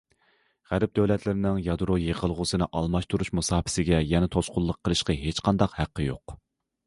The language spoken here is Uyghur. غەرب دۆلەتلىرىنىڭ يادرو يېقىلغۇسىنى ئالماشتۇرۇش مۇساپىسىگە يەنە توسقۇنلۇق قىلىشقا ھېچقانداق ھەققى يوق.